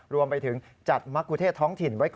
รวมไปถึงจัดมกุเทศท้องถิ่น